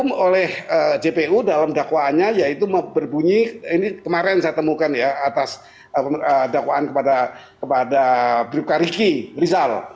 yang oleh jpu dalam dakwaannya yaitu berbunyi ini kemarin saya temukan ya atas dakwaan kepada bribka riki rizal